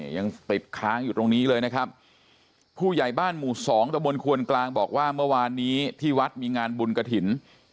ยังติดค้างอยู่ตรงนี้เลยนะครับผู้ใหญ่บ้านหมู่สองตะบนควนกลางบอกว่าเมื่อวานนี้ที่วัดมีงานบุญกระถิ่น